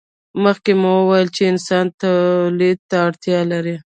مخکې مو وویل چې انسانان تولید ته اړتیا لري.